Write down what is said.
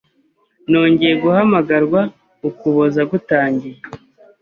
Nongeye guhamagarwa Ukuboza gutangiye